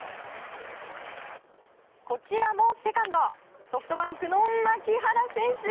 こちらもセカンドソフトバンクの牧原選手。